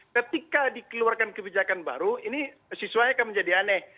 ketika dikeluarkan kebijakan baru ini siswanya akan menjadi aneh